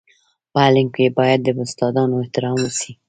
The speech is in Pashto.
په علم کي باید د استادانو احترام وسي.